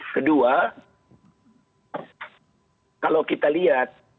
kedua kalau kita lihat